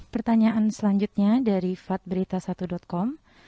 pertanyaan selanjutnya dari fadberita satu com